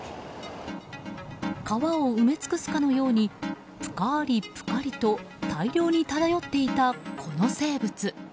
川を埋め尽くすかのようにぷかりぷかりと大量に漂っていた、この生物。